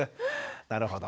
なるほど。